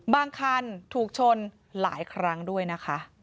คันถูกชนหลายครั้งด้วยนะคะ